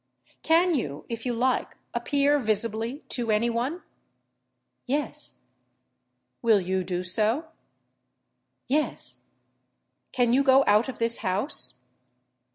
"Can you, if you like, appear visibly to any one?" "Yes." "Will you do so?" "Yes." "Can you go out of this house?"